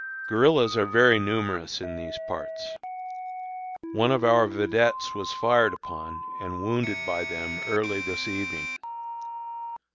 Guerillas are very numerous in these parts. One of our vedettes was fired upon and wounded by them early this evening.